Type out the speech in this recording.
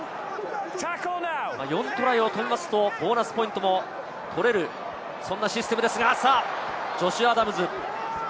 ４トライを取ると、ボーナスポイントも取れる、そんなシステムですが、ジョシュ・アダムス。